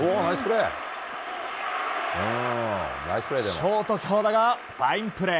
ショート、京田がファインプレー。